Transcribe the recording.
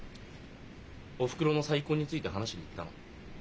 おふくろの再婚について話しに行ったの。